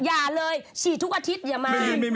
อย่าเลยฉีดทุกอาทิตย์อย่ามา